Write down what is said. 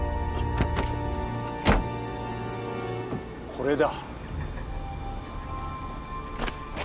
これだ。